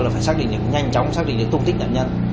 là phải nhanh chóng xác định tung tích nạn nhân